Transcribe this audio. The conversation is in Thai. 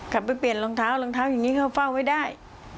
ไปเปลี่ยนรองเท้ารองเท้าอย่างนี้เขาเฝ้าไว้ได้